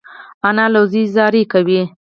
انا له زوی زاری کوي